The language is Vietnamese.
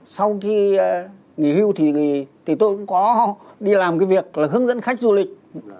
sau khi nghỉ hưu thì tôi cũng có đi làm cái việc là hướng dẫn khách du lịch